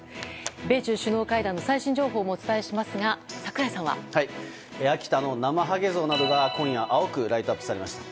米中首脳会談の最新情報もお伝えしますが秋田のなまはげ像などが今夜青くライトアップされました。